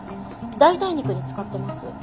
代替肉に使ってます。